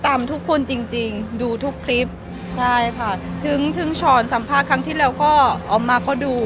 ตามทุกคนจริงดูทุกคลิปถึงช้อนสัมภาษณ์ที่แล้วก็อ๋อมมาก็ดู